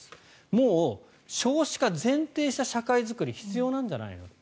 もう少子化を前提とした社会づくりが必要なんじゃないかと。